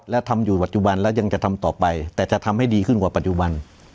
และทำอยู่ปัจจุบันแล้วยังจะทำต่อไปแต่จะทำให้ดีขึ้นกว่าปัจจุบัน